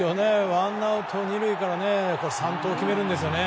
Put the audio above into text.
ワンアウト２塁から三盗を決めるんですよね。